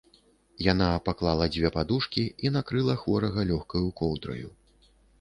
Яна паклала дзве падушкі і накрыла хворага лёгкаю коўдраю.